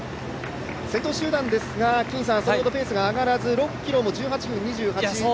先頭集団ですが、さほどペースが上がらず、６ｋｍも１８分２８。